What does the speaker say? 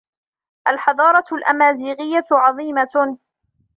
الحضارة الامازيغية عظيمة.